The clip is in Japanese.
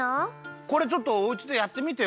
これちょっとおうちでやってみてよ。